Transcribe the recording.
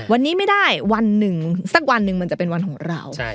วันนี้ไม่ได้วันหนึ่งสักวันหนึ่งมันจะเป็นวันของเรา